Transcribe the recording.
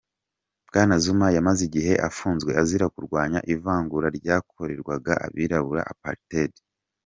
Bwana Zuma yamaze igihe apfunzwe azira kurwanya ivangura ryakorerwaga abirabura apartheid.